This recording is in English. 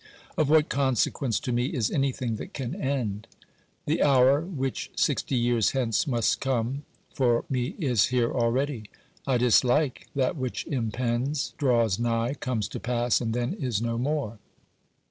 Of what consequence to me is anything that can end ? The hour which sixty years hence must come, for me is here already. I dislike that which impends, draws nigh, comes to pass, and then is no more.